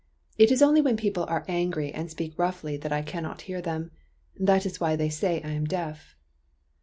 It is only when people are angry and speak roughly that I cannot hear them. That is why they say I am deaf."